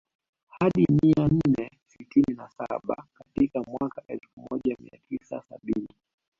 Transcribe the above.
Hadi mia nne sitini na saba katika mwaka elfu moja mia tisa sabini